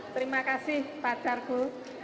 terima kasih pacarku